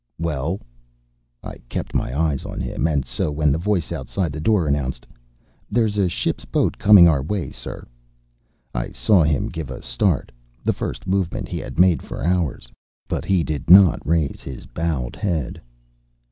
"Well!..." I kept my eyes on him, and so when the voice outside the door announced, "There's a ship's boat coming our way, sir," I saw him give a start the first movement he had made for hours. But he did not raise his bowed head.